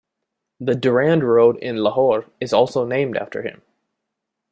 The Durand Road in Lahore is also named after him.